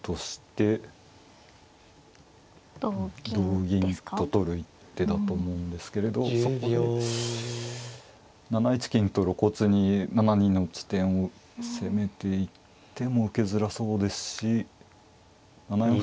同銀と取る一手だと思うんですけれどそこで７一金と露骨に７二の地点を攻めていっても受けづらそうですし７四